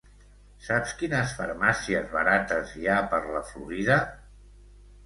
Saps quines farmàcies barates hi ha per la Florida?